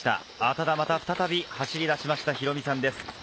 ただまた再び走りだしました、ヒロミさんです。